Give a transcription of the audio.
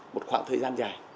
một khoảng thời gian dài